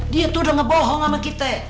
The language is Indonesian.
dia tuh udah ngebohong sama kita